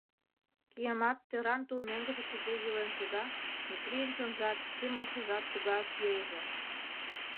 Киямат тӧран тул меҥгыже кузе йӱлен шога, Метрийын чонжат, шӱм-мокшыжат тугак йӱлыжӧ!